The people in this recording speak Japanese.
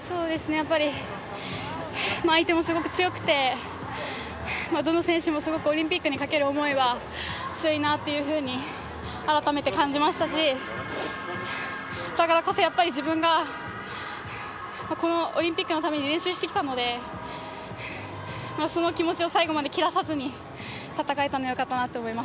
やっぱり、相手もすごく強くて、どの選手もすごくオリンピックにかける思いは強いなというふうに改めて感じましたし、だからこそやっぱり自分が、このオリンピックのために練習してきたので、その気持ちを最後まで切らさずに戦えたのがよかったかなと思いま